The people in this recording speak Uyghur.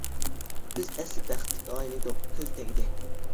بىز ئەسلى بەختلىك ئائىلە ئىدۇق، كۆز تەگدى.